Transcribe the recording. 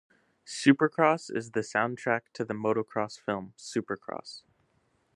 Supercross is the soundtrack to the motocross film "Supercross".